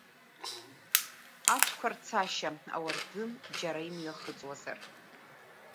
Ацәқәа рцашьа, ауардын џьара имҩахыҵуазар.